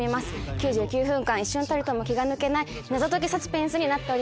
９９分間一瞬たりとも気が抜けない謎解きサスペンスになっております。